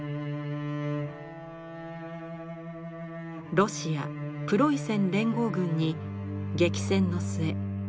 ロシア・プロイセン連合軍に激戦の末勝利した時の姿です。